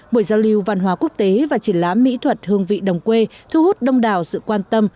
buổi giao lưu văn hóa quốc tế và triển lãm mỹ thuật hương vị đồng quê thu hút đông đảo sự quan tâm